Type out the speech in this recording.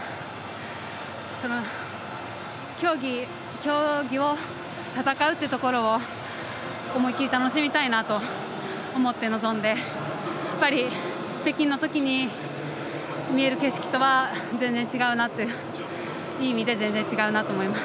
競技を戦うというところを思い切り楽しみたいなと思って臨んで北京のときに見える景色とはいい意味でぜんぜん違うなって思います。